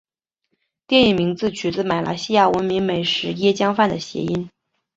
电影名字取自马来西亚闻名美食椰浆饭的谐音。